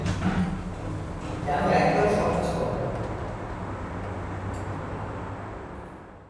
কেন একবারে সবকিছু বলো না?